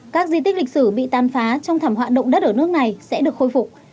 các di tích lịch sử bị tàn phá trong thảm họa động đất ở nước này sẽ được khôi phục